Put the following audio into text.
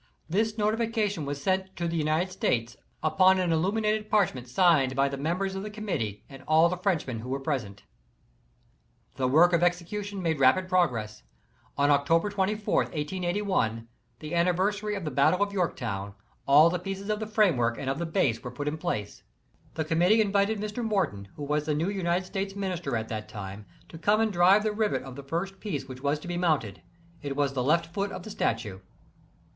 This notification was sent to the United States upon an x^ 3 Fma Harftt'i HWkfy. Ttcc. 3. itli. illuminated parchment signed by the members of the Com mittee and all the Frenchmen who were present The work of execution made rapid progress. On October 24, 1881, the anniversary of the battle of York town, all the pieces of the framework and of the base were put in place. The Committee invited Mr. Morton, who was the new United States Minister at that time> to come and drive the rivet of the first piece which was to be mounted. It was the left foot of the statue.